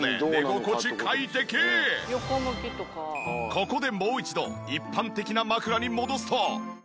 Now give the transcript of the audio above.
ここでもう一度一般的な枕に戻すと。